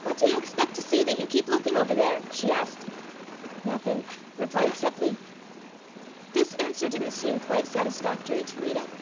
"What do you expect to see that you keep looking over there?" she asked. "Nothing," replied Seppli. This answer didn't seem quite satisfactory to Rita.